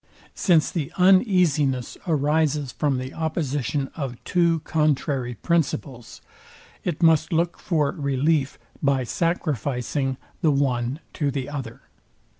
Since the uneasiness arises from the opposition of two contrary principles, it must look for relief by sacrificing the one to the other.